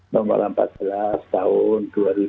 nomor empat belas tahun dua ribu dua puluh